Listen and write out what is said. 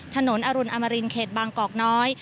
อรุณอมรินเขตบางกอกน้อย